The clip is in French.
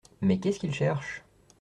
Mais qu’est-ce qu’il cherche ?